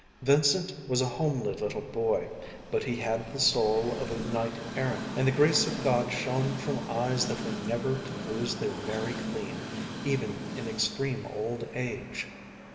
Vincent was a homely little boy, but he had the soul of a knight errant, and the grace of God shone from eyes that were never to lose their merry gleam even in extreme old age.